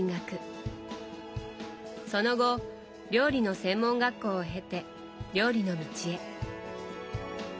その後料理の専門学校を経て料理の道へ。